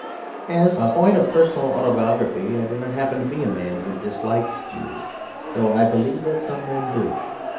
As a point of personal autobiography, I do not happen to be a man who dislikes Jews; though I believe that some men do.